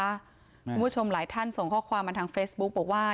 คุณผู้ชมหลายท่านส่งข้อความมาทางเฟซบุ๊กบอกว่า